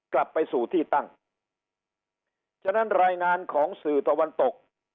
กลับไปสู่ที่ตั้งฉะนั้นรายงานของสื่อตะวันตก